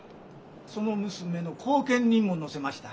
その娘の後見人も乗せました。